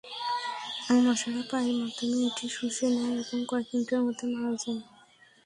মশারা পায়ের মাধ্যমে এটি শুষে নেয় এবং কয়েক মিনিটের মধ্যে মারা যায়।